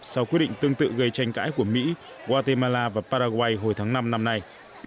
sau quyết định tương tự gây tranh cãi của mỹ guatemala và paraguay hồi tháng năm năm nay